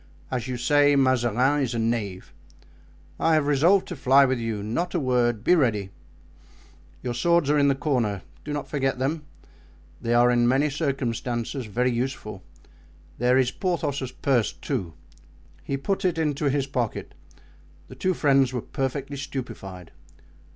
As you say, Mazarin is a knave. I have resolved to fly with you, not a word—be ready. Your swords are in the corner; do not forget them, they are in many circumstances very useful; there is Porthos's purse, too." He put it into his pocket. The two friends were perfectly stupefied.